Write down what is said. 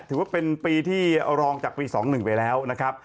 ถือว่าเป็นปีที่รองจากปี๒๑ไปแล้วนะครับ